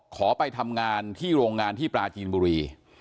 ขอไปทำงานที่โรงงานที่ปลาจีนบุรี